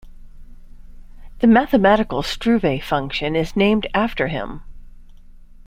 The mathematical Struve function is named after him.